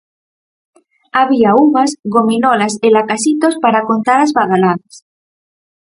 Había uvas, 'gominolas' e lacasitos para contar as badaladas.